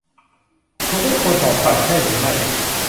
คุณไม่ควรบอกปัดใช่หรือไม่